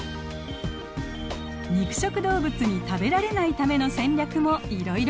肉食動物に食べられないための戦略もいろいろあります。